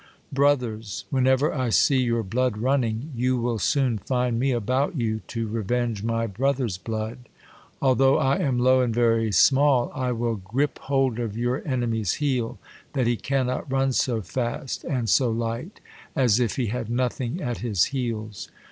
Brot}i ers! Whenever I see your blood running, you will soon find me about you to revenge my brothers' blood. Although I am low and very small, I will gripe hold of your enemy's heel, that he cannot run so fast, and so light, as if he had nothing at his heels.